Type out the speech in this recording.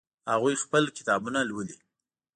هغوی خپلې کتابونه لولي